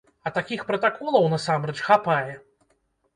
А такіх пратаколаў, насамрэч, хапае.